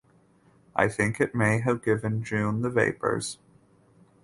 I think it may have given June the vapors.